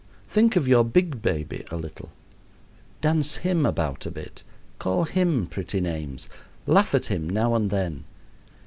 Think of your big baby a little. Dance him about a bit; call him pretty names; laugh at him now and then.